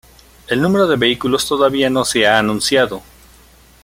El número de vehículos todavía no se ha anunciado.